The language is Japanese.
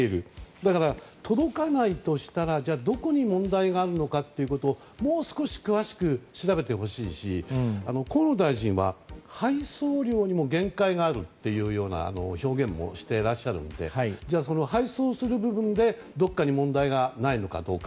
だから、届かないとしたらどこに問題があるのかということをもう少し詳しく調べてほしいし河野大臣は配送量にも限界があるというような表現もしていらっしゃるのでその配送する部分でどこかに問題がないのかどうか。